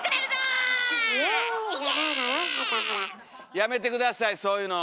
やめて下さいそういうの。